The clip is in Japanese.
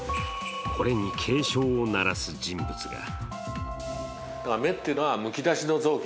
これに警鐘を鳴らす人物が。